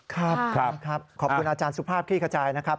ครับขอบคุณอาจารย์สุภาพคลี่ขจายนะครับ